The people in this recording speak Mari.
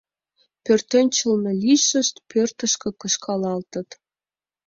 Пӧртӧнчылнӧ лийшышт пӧртышкӧ кышкалалтыт.